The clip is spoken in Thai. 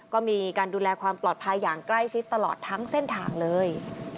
ก็มีการดูแลความปลอดภัยอย่างใกล้ชิดตลอดทั้งเส้นทางเลย